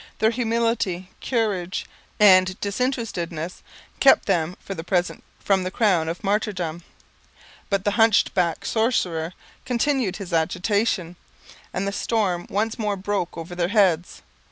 Their humility, courage, and disinterestedness kept them for the present from 'the crown of martyrdom.' But the hunch backed sorcerer continued his agitation and the storm once more broke over their heads.